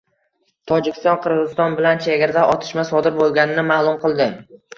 Tojikiston Qirg‘iziston bilan chegarada otishma sodir bo‘lganini ma'lum qildi